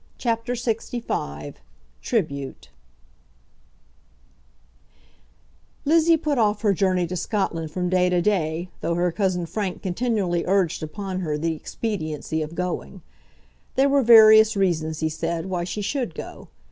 CHAPTER LXV Tribute Lizzie put off her journey to Scotland from day to day, though her cousin Frank continually urged upon her the expediency of going. There were various reasons, he said, why she should go.